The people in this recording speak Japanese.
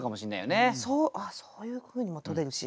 あそういうふうにもとれるし。